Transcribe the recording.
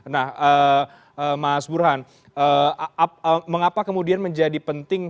nah mas burhan mengapa kemudian menjadi penting